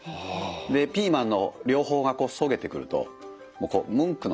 でピーマンの両方がそげてくるとこうムンクの叫びが。